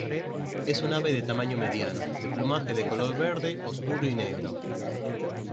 Es un ave de tamaño mediano, de plumaje de color verde oscuro y negro.